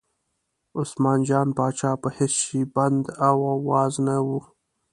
عثمان جان پاچا په هېڅ شي بند او واز نه و.